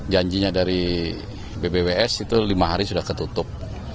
janjinya dari bpws itu lima hari sudah ketutup